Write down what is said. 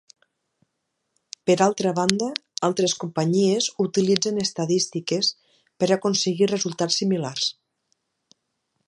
Per altra banda altres companyies utilitzen estadístiques per aconseguir resultats similars.